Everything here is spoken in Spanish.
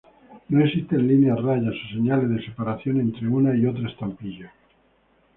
No existen líneas, rayas o señales de separación entre una y otra estampilla.